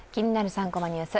３コマニュース」